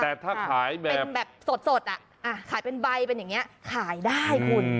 เป็นแบบสดอ่ะขายเป็นใบเป็นอย่างนี้ขายได้คุณ